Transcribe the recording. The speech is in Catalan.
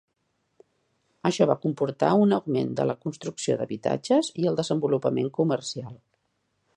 Això va comportar un augment de la construcció d'habitatges i el desenvolupament comercial.